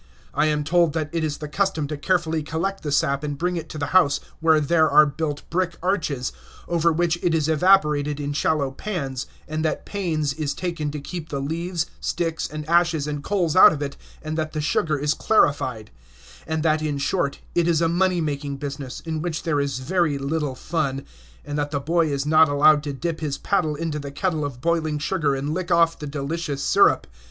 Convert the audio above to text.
I am told that it is the custom to carefully collect the sap and bring it to the house, where there are built brick arches, over which it is evaporated in shallow pans, and that pains is taken to keep the leaves, sticks, and ashes and coals out of it, and that the sugar is clarified; and that, in short, it is a money making business, in which there is very little fun, and that the boy is not allowed to dip his paddle into the kettle of boiling sugar and lick off the delicious sirup.